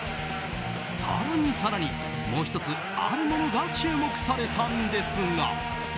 更に更に、もう１つあるものが注目されたんですが。